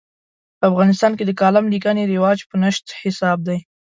په افغانستان کې د کالم لیکنې رواج په نشت حساب دی.